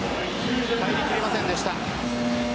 入り切りませんでした。